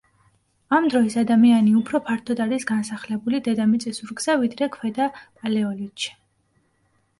ამ დროის ადამიანი უფრო ფართოდ არის განსახლებული დედამიწის ზურგზე, ვიდრე ქვედა პალეოლითში.